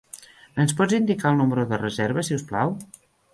Ens pots indicar el número de reserva, si us plau?